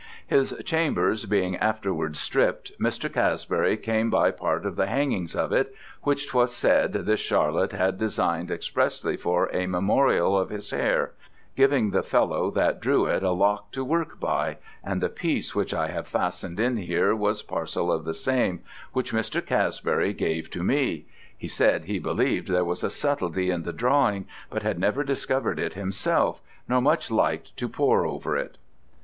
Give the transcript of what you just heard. "His chambers being afterwards stripp'd, Mr. Casbury came by part of the hangings of it, which 'twas said this Charlett had design'd expressly for a memoriall of his Hair, giving the Fellow that drew it a lock to work by, and the piece which I have fasten'd in here was parcel of the same, which Mr. Casbury gave to me. He said he believ'd there was a subtlety in the drawing, but had never discover'd it himself, nor much liked to pore upon it."